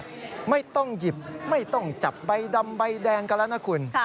ที่มาคัดเลือกเนี่ยไม่ต้องหยิบไม่ต้องจับใบดำใบแดงกันแล้วนะคุณ